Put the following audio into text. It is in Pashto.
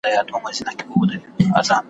موږ به ولي په دې غم اخته کېدلای `